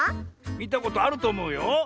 みたことあるとおもうよ。